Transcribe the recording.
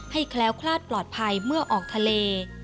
แคล้วคลาดปลอดภัยเมื่อออกทะเล